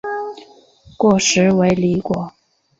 果实为离果。